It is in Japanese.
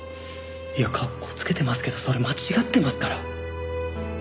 いやかっこつけてますけどそれ間違ってますから！